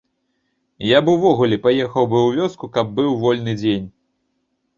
Я б увогуле паехаў бы ў вёску, каб быў вольны дзень.